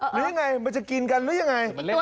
หรือยังไงมันจะกินกันหรือยังไง